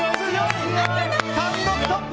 単独トップ！